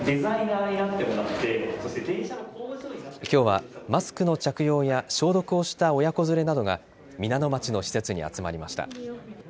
きょうはマスクの着用や消毒をした親子連れなどが皆野町の施設に集まりました。